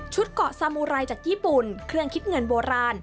เกาะสามูไรจากญี่ปุ่นเครื่องคิดเงินโบราณ